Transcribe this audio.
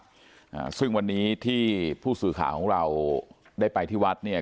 อ่าซึ่งวันนี้ที่ผู้สื่อข่าวของเราได้ไปที่วัดเนี่ย